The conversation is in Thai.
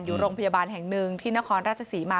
อยู่โรงพยาบาลแห่งหนึ่งที่นครราชศรีมา